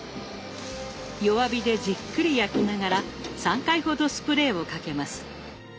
弱火でじっくり焼きながら３回ほどスプレーをかけます。